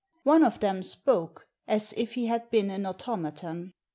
One of them spoke — as if he had been an automaton.